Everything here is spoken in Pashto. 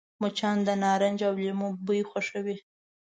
مچان د نارنج او لیمو بوی خوښوي